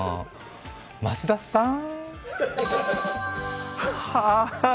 増田さーん。